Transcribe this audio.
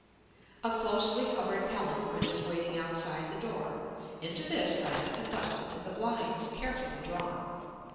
A closely covered palanquin is waiting outside the door; into this I am conducted and the blinds carefully drawn.